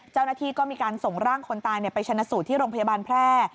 เจ้าหน้าที่ก็มีการส่งร่างคนตายไปชนะสูตรที่โรงพยาบาลแพร่